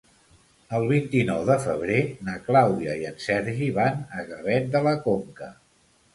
El vint-i-nou de febrer na Clàudia i en Sergi van a Gavet de la Conca.